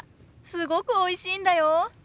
すごくおいしいんだよ。